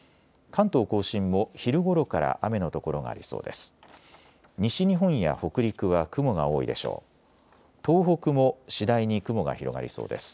関東甲信も昼ごろから雨の所がありそうです。